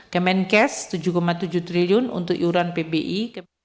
kementerian kes tujuh tujuh triliun rupiah untuk iuran pbi